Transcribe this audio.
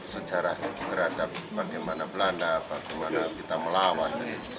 sejarah terhadap bagaimana belanda bagaimana kita melawan